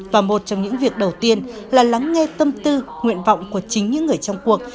và một trong những việc đầu tiên là lắng nghe tâm tư nguyện vọng của chính những người trong cuộc